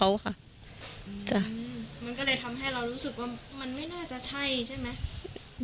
มันก็เลยทำให้เรารู้สึกว่ามันไม่น่าจะใช่ใช่ไหม